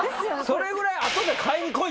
それぐらい。